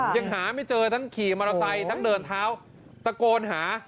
ยังหาไม่เจอทั้งขี่มอเตอร์ไซค์ทั้งเดินเท้าตะโกนหา